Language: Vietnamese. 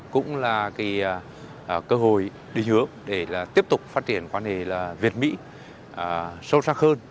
cũng là cơ hội định hướng để tiếp tục phát triển quan hệ việt mỹ sâu sắc hơn